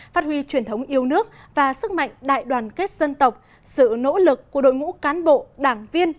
phát huy truyền thống yêu nước và sức mạnh đại đoàn kết dân tộc sự nỗ lực của đội ngũ cán bộ đảng viên